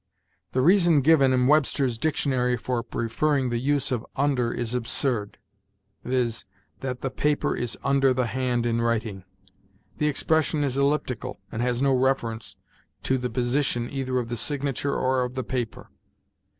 The reason given in Webster's Dictionary for preferring the use of under is absurd; viz., that the paper is under the hand in writing. The expression is elliptical, and has no reference to the position either of the signature or of the paper.